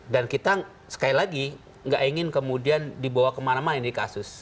kita sekali lagi nggak ingin kemudian dibawa kemana mana ini kasus